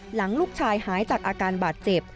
หลังลูกชายหายจากอาการบาดเจ็บ